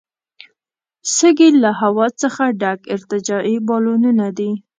سږي له هوا څخه ډک ارتجاعي بالونونه دي.